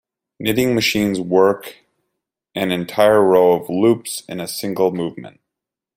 Knitting machines work an entire row of loops in a single movement.